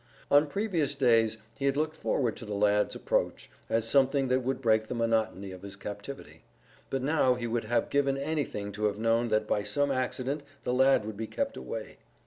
On previous days he had looked forward to the lad's approach as something that would break the monotony of his captivity, but now he would have given anything to have known that by some accident the lad would be kept away.